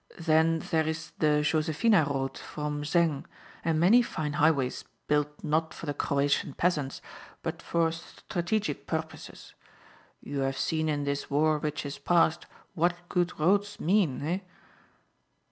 Then there is the Josephina road from Zengg and many fine highways built not for the Croatian peasants but for strategic purposes. You have seen in this war which is passed what good roads mean, eh?"